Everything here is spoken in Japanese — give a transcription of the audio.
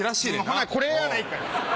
ほなこれやないかい。